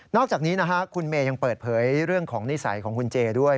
อกจากนี้นะฮะคุณเมย์ยังเปิดเผยเรื่องของนิสัยของคุณเจด้วย